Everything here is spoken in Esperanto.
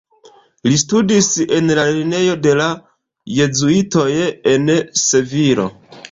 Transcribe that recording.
Li studis en la lernejo de la Jezuitoj en Sevilo.